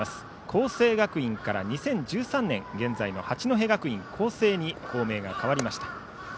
光星学院から２０１３年現在の八戸学院光星に校名が変わりました。